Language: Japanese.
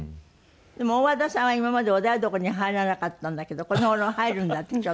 でも大和田さんは今までお台所に入らなかったんだけどこの頃は入るんだって？